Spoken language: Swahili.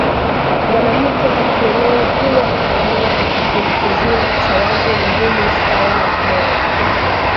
mwanamke akiolewa huwa anaolewa na kikundi kizima cha watu wenye umri sawa na mumewe